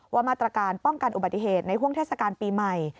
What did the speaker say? ว่ามาตรการป้องกันอุบัติเหตุในห่วงเทศกาลปีใหม่